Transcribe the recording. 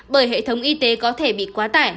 bởi hệ thống y tế có thể bị quá tải